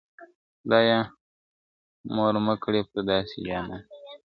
خدایه مور مه کړې پر داسي جانان بوره ..